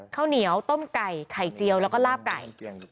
ข้าวเหนียวต้มไก่ไข่เจียวแล้วก็ลาบไก่